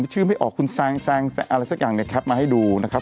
ผมอ่านชื่อไม่ออกคุณแซงอะไรสักอย่างนะครับมาให้ดูนะครับ